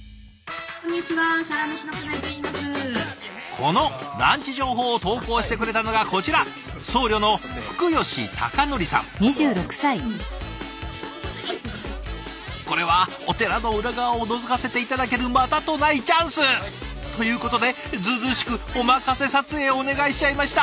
このランチ情報を投稿してくれたのがこちら僧侶のこれはお寺の裏側をのぞかせて頂けるまたとないチャンス！ということでずうずうしくおまかせ撮影をお願いしちゃいました。